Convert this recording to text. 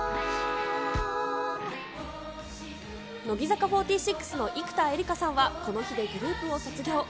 乃木坂４６の生田絵梨花さんはこの日でグループを卒業。